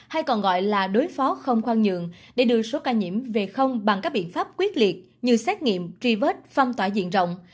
hay còn gọi là đối phó không khoan nhượng để đưa số ca nhiễm về không bằng các biện pháp quyết liệt như xét nghiệm truy vết phong tỏa diện rộng